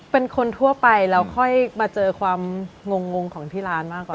เป็นคนทั่วไปแล้วค่อยมาเจอความงงของที่ร้านมากกว่า